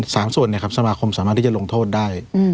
๓ส่วนสมาคมสามารถที่จะลงโทษได้